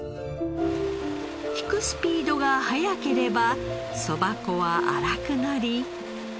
挽くスピードが速ければそば粉は粗くなり。